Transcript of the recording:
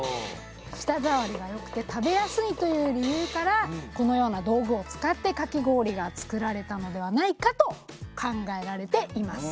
舌ざわりがよくて食べやすいという理由からこのような道具を使ってかき氷が作られたのではないかと考えられています。